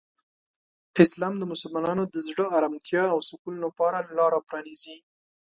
اسلام د مسلمانانو د زړه آرامتیا او سکون لپاره لاره پرانیزي.